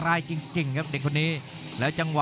รับทราบบรรดาศักดิ์